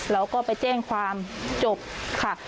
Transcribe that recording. เราก็ไปแจ้งความจบค่ะ